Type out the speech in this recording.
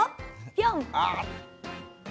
ピョン。